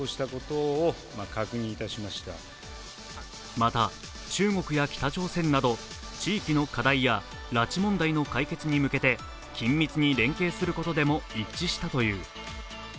また、中国や北朝鮮など地域の課題や拉致問題の解決に向けて緊密に連携することでも一致したという。